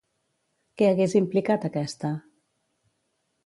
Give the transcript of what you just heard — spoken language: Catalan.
Què hagués implicat aquesta?